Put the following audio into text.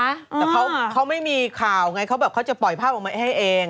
แต่เขาไม่มีข่าวไงเขาแบบเขาจะปล่อยภาพออกมาให้เอง